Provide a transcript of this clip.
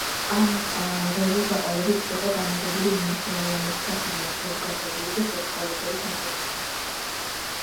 ამ ღერძის გაყოლებით იყო განლაგებული უმნიშვნელოვანესი სასულიერო, საზოგადოებრივი და საცხოვრებელი ნაგებობები.